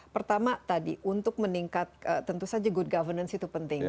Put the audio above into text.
pertama tadi untuk meningkat tentu saja good governance itu penting